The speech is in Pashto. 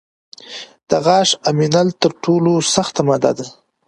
د غاښ امینل تر ټولو سخته ماده ده.